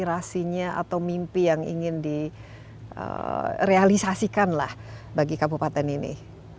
aspirasinya atau mimpi yang ingin direalisasikan lah bagi kabupaten ini